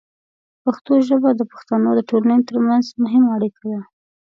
پښتو ژبه د پښتنو د ټولنې ترمنځ مهمه اړیکه ده.